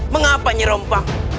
mengapa kau menyerang